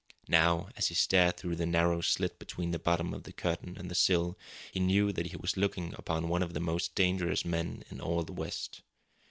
Now, as he stared through the narrow slit between the bottom of the curtain and the sill, he knew that he was looking upon one of the most dangerous men in all the West.